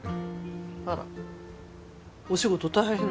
あらお仕事大変なの？